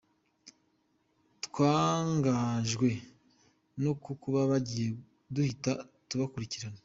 Twangajwe no kubona bagiye, duhita tubakurikirana.